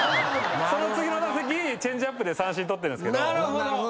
その次の打席チェンジアップで三振取ってるんすけど。